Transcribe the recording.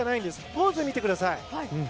ポーズを見てください。